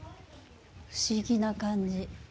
不思議な感じ。